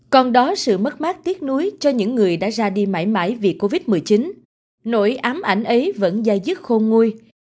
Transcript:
còn đó sự mất mát tiếc nuối cho những người đã ra đi mãi mãi vì covid một mươi chín nỗi ám ảnh ấy vẫn dài dứt khôn nguôi